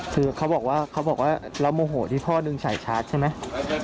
คือเขาบอกว่าเขาบอกว่าเราโมโหที่พ่อดึงสายชาร์จใช่ไหม